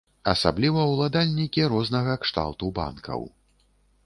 Асабліва ўладальнікі рознага кшталту банкаў.